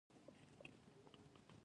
ایا زه باید شرکت جوړ کړم؟